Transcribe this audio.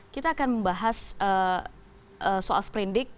kita akan membahas soal sprindik